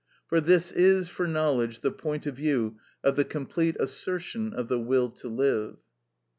For this is, for knowledge, the point of view of the complete assertion of the will to live.